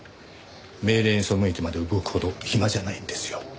命令に背いてまで動くほど暇じゃないんですよ。